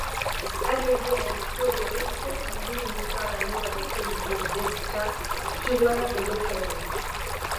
Annelien Coorevits vit une histoire d'amour avec Olivier Deschacht, joueur de Lokeren.